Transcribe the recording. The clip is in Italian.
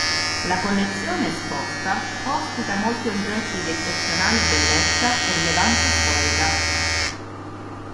La collezione esposta ospita molti oggetti di eccezionale bellezza e rilevanza storica.